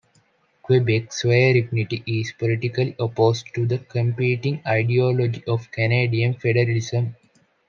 Quebec sovereignty is politically opposed to the competing ideology of Canadian federalism.